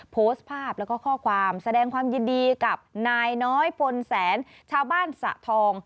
โพสต์ภาพแล้วก็ข้อความแสดงความยินดีกับนายน้อยพลแสนชาวบ้านสะทอง